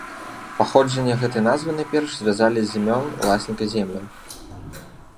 Паходжанне гэтай назвы найперш звязвалі з імем уласніка земляў.